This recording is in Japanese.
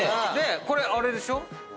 これあれでしょ？